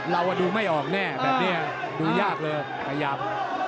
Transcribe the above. เราดูไม่ออกแน่แบบนี้ดูยากเลยขยับ